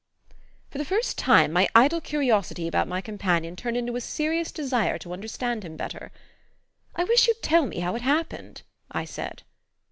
For the first time my idle curiosity about my companion turned into a serious desire to understand him better. "I wish you'd tell me how it happened," I said.